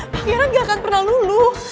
pangeran gak akan pernah lulu